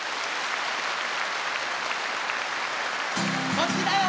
こっちだよ！